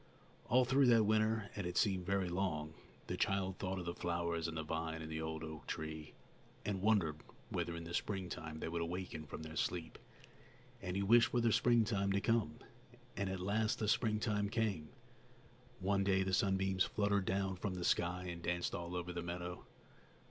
All through that winter and it seemed very long the child thought of the flowers and the vine and the old oak tree, and wondered whether in the springtime they would awaken from their sleep; and he wished for the springtime to come. And at last the springtime came. One day the sunbeams fluttered down from the sky and danced all over the meadow.